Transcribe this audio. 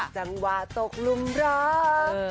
จังหวะตกลุมรัก